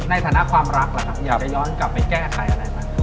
ในฐานะความรักล่ะครับอยากจะย้อนกลับไปแก้ไขอะไรไหม